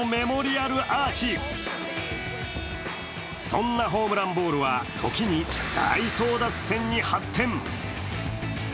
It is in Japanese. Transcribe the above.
そんなホームランボールは、時に大争奪戦に発展。